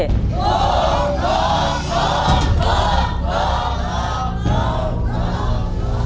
โคตรโคตรโคตรโคตรโคตรโคตร